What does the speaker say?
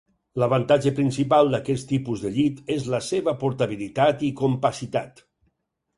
L'avantatge principal d'aquest tipus de llit és la seva portabilitat i compacitat.